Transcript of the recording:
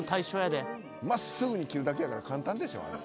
真っすぐに切るだけやから簡単でしょあれ。